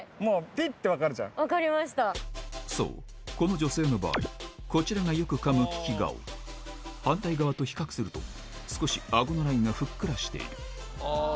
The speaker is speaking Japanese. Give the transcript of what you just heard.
そうこの女性の場合こちらがよく噛む利き顔反対側と比較すると少しあごのラインがふっくらしているあぁ